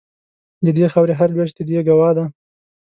د دې خاوري هر لوېشت د دې ګوا ده